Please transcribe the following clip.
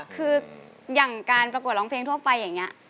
คืออย่างการประกวดร้องเพลงทั่วไปอย่างนี้